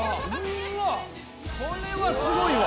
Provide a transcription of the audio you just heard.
これはすごいわ！